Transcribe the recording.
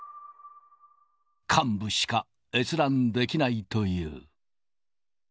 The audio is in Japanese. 幹部しか閲覧できないという。